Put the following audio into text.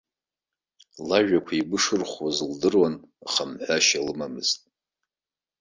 Лажәақәа игәы шырхәуаз лдыруан, аха мҳәашьа лымамызт.